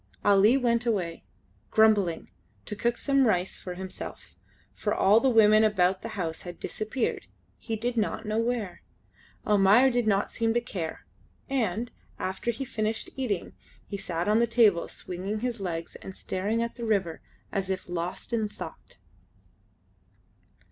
Ali went away, grumbling, to cook some rice himself, for all the women about the house had disappeared; he did not know where. Almayer did not seem to care, and, after he finished eating, he sat on the table swinging his legs and staring at the river as if lost in thought.